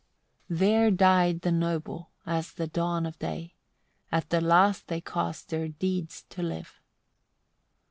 63. There died the noble, as the dawn of day; at the last they caused their deeds to live.